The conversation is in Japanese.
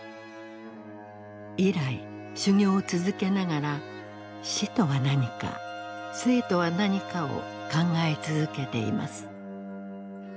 以来修行を続けながら死とは何か生とは何かを考え続けています。